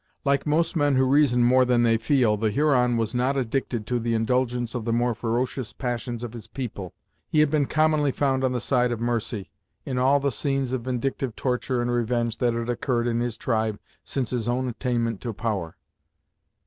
Like most men who reason more than they feel, the Huron was not addicted to the indulgence of the more ferocious passions of his people: he had been commonly found on the side of mercy, in all the scenes of vindictive torture and revenge that had occurred in his tribe since his own attainment to power.